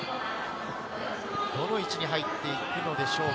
どの位置に入っていくのでしょうか？